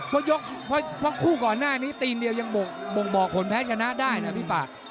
เพราะยกเพราะคู่ก่อนหน้านี้ตีนเดียวยังบ่งบอกผลแพ้ชนะได้นะพี่ปาก